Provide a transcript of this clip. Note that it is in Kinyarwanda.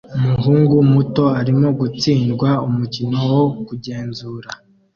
Umuhungu muto arimo gutsindwa umukino wo kugenzura